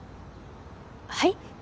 はい？